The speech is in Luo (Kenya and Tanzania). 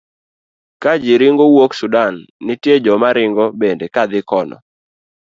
ka ji ringo wuok Sudan, nitie joma ringo bende kadhi kono.